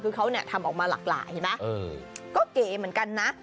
คือเขาเนี่ยทำออกมาหลากหลายเห็นไหมก็เก๋เหมือนกันนะ